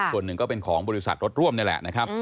ส่วนหนึ่งก็เป็นของบริษัทรถร่วมนี่แหละนะครับ